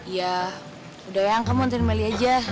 ya udah ya kamu nganterin meli aja